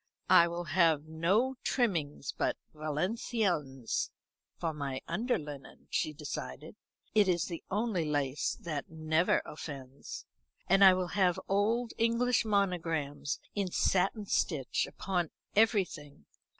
"I will have no trimming but Valenciennes for my under linen," she decided; "it is the only lace that never offends. And I will have old English monograms in satin stitch upon everything.